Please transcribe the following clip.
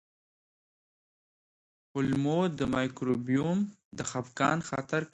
کولمو مایکروبیوم د خپګان خطر کموي.